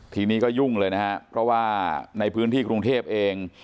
ทีนี้ก็ยุ่งเลยนะครับเพราะว่าในพื้นที่กรุงเทพเอง